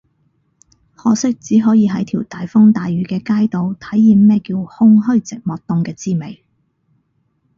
可惜只可以喺條大風大雨嘅街度體驗咩叫空虛寂寞凍嘅滋味